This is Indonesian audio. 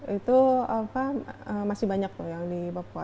itu masih banyak tuh yang di papua